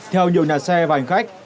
theo nhiều nhà xe và hành khách